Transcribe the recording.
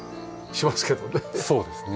そうですね。